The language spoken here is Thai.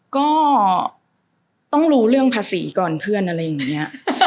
ก็ต้องรู้เรื่องภาษีก่อนเพื่อนอะไรอย่างนี้